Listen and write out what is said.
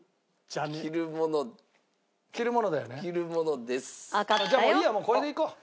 じゃあもういいやこれでいこう。